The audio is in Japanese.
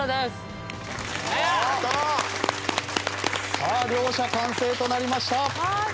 さあ両者完成となりました。